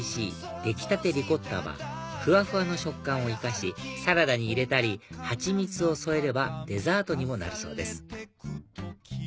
出来立てリコッタはふわふわの食感を生かしサラダに入れたり蜂蜜を添えればデザートにもなるそうです